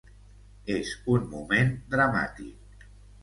És un moment dramàtic.